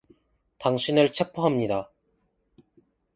당신을 체포합니다.